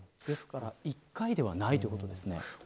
ですから１回ではないということですね。